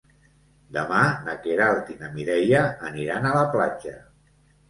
Demà na Queralt i na Mireia aniran a la platja.